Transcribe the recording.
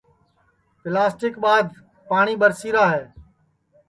پیلاسٹیک ٻادھ پاٹؔی ٻرسی را ہے